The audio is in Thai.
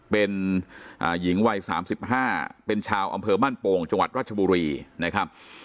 เป็นหญิงวัย๓๕เป็นชาวอำเภอบ้านโป่งจังหวัดราชบุรีนะครับ